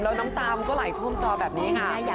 แล้วน้ำตามันก็ไหลท่วมจอแบบนี้ค่ะ